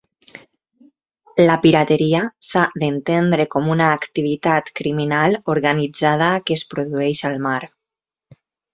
La pirateria s'ha d'entendre com una activitat criminal organitzada que es produeix al mar.